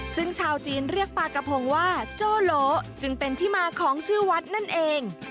ซึ่งชาวจีนเรียกปลากระพงว่าโจโลจึงเป็นที่มาของชื่อวัดนั่นเอง